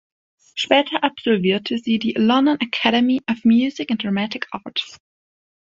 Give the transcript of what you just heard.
Später absolvierte sie die „London Academy of Music and Dramatic Art“.